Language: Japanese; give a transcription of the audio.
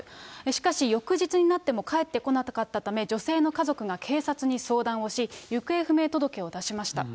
しかし、翌日になっても帰ってこなかったため、女性の家族が警察に相談をし、行方不明届を出しました。